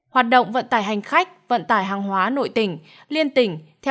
hoạt động vận tải hành khách vận tải hàng hóa nội tỉnh liên tỉnh